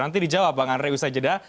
nanti dijawab bang andre usai jeda